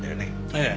ええ。